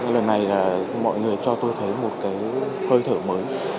lần này là mọi người cho tôi thấy một cái hơi thở mới